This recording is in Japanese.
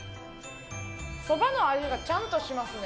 そばの味がちゃんとしますね。